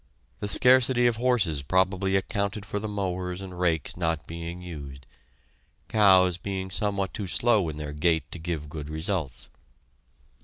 The scarcity of horses probably accounted for the mowers and rakes not being used, cows being somewhat too slow in their gait to give good results.